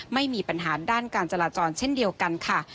ไม่มีปัญหาด้านการจราจรเช่นเดียวกันค่ะ